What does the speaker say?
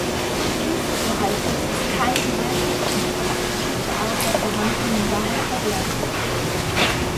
Dies, so heißt es, ist keine gesellschaftlich akzeptierte Art der Verhandlung und daher verwerflich.